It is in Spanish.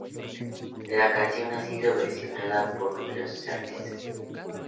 La canción ha sido versionada por numerosos artistas.